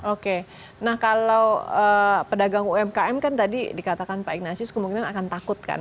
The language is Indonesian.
oke nah kalau pedagang umkm kan tadi dikatakan pak ignasius kemungkinan akan takut kan